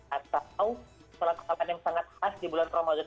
atau salat salat yang sangat khas di bulan ramadan